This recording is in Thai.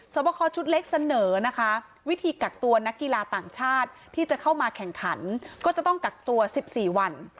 บคอชุดเล็กเสนอนะคะวิธีกักตัวนักกีฬาต่างชาติที่จะเข้ามาแข่งขันก็จะต้องกักตัว๑๔วัน